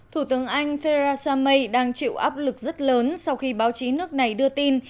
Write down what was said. thủ tướng anh theresa may đang chịu áp lực rất lớn sau khi báo chí nước này đưa tin